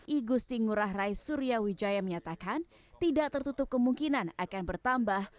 igu stingurah rai surya wijaya menyatakan tidak tertutup kemungkinan akan bertambah